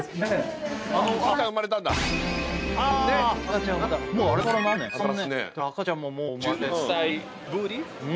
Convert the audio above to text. だから赤ちゃんももう。